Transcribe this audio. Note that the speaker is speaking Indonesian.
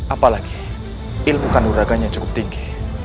apalagi ilmu kandung raganya cukup tinggi